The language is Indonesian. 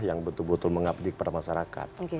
yang betul betul mengabdi kepada masyarakat